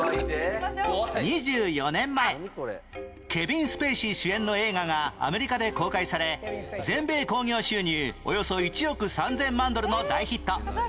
２４年前ケビン・スペイシー主演の映画がアメリカで公開され全米興行収入およそ１億３０００万ドルの大ヒット